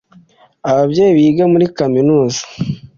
ababyeyi biga muri kaminuza